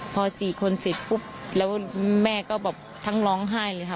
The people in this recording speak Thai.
พอสี่คนสิดพุบแล้วแม่ก็แบบทั้งร้องไห้เลยค่ะ